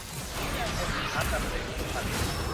ในสินค้าเกษตรสำคัญ